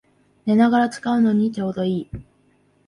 寝ながら使うのにちょうどいい